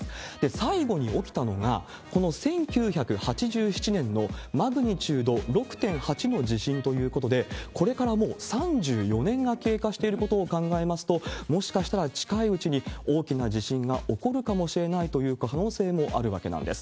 最後に起きたのが、この１９８７年のマグニチュード６．８の地震ということで、これからもう３４年が経過していることを考えますと、もしかしたら近いうちに大きな地震が起こるかもしれないという可能性もあるわけなんです。